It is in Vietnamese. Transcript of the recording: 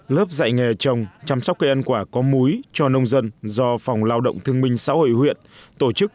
lớp dạy nghề trồng chăm sóc cây ăn quả có múi cho nông dân do phòng lao động thương minh xã hội huyện tổ chức